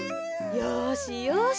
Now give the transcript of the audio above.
よしよし。